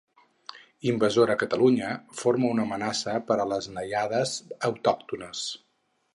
Invasora a Catalunya, forma una amenaça per a les nàiades autòctones.